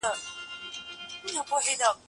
چارواکي وايي چي کرنه هم وده کوي.